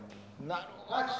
なるほど。